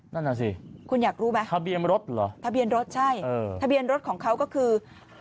นั่นน่ะสิคุณอยากรู้ไหมทะเบียนรถเหรอทะเบียนรถใช่ทะเบียนรถของเขาก็คือ